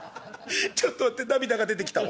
ちょっと待って涙が出てきた」。